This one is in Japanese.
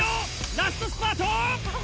ラストスパート！